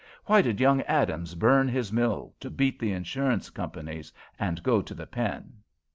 Why did young Adams burn his mill to beat the insurance companies and go to the pen?"